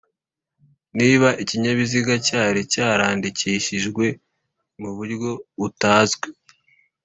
niba ikinyabiziga cyari cyarandikishijwe mu buryo butazwi